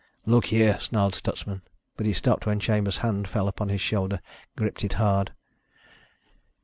"Look here," snarled Stutsman, but he stopped when Chambers' hand fell upon his shoulder, gripped it hard.